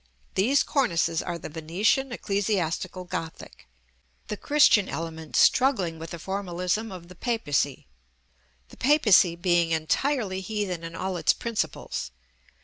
These cornices are the Venetian Ecclesiastical Gothic; the Christian element struggling with the Formalism of the Papacy, the Papacy being entirely heathen in all its principles.